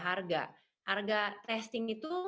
harga harga testing itu